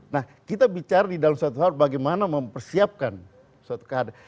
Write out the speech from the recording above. nah kita bicara di dalam suatu hal bagaimana mempersiapkan suatu keadaan